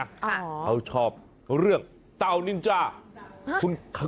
เขาชอบเรื่องเต่านินจ้า